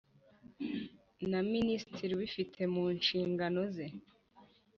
Na minisitiri ubifite mu nshingano ze